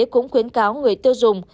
cũng khuyến cáo người tiêu dùng